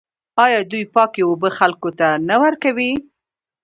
آیا دوی پاکې اوبه خلکو ته نه ورکوي؟